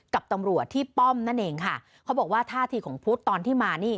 กับตำรวจที่ป้อมนั่นเองค่ะเขาบอกว่าท่าทีของพุทธตอนที่มานี่